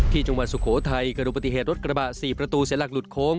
จังหวัดสุโขทัยกระดูกปฏิเหตุรถกระบะ๔ประตูเสียหลักหลุดโค้ง